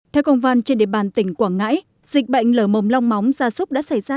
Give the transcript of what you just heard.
theo công văn trên địa bàn tỉnh quảng ngãi dịch bệnh lở mồm long móng gia súc đã xảy ra